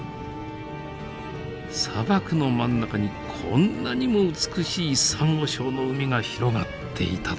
砂漠の真ん中にこんなにも美しいサンゴ礁の海が広がっていたとは！